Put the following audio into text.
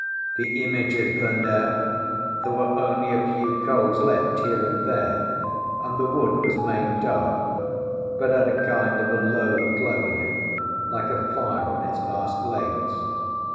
The image had burned out; there were only a few coals left here and there, and the wood was main dark, but had a kind of a low glow in it like a fire on its last legs.